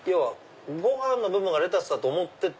ご飯の部分がレタスだと思って。